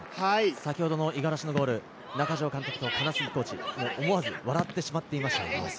先ほどの五十嵐のゴール、中城監督と金杉コーチ、思わず笑ってしまっていました。